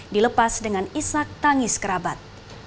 dilepas dengan isak tangis kerabat